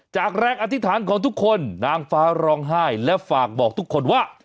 จากแรงอธิษฐานของทุกคนนางฟ้าร้องไห้และฝากบอกทุกคนว่า